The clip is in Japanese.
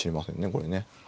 これね。